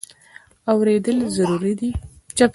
اورېدل ضروري دی.